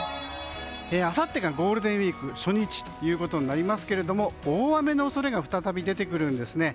あさってがゴールデンウィーク初日ということですけど大雨の恐れが再び出てくるんですね。